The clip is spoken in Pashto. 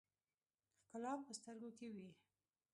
ښکلا په سترګو کښې وي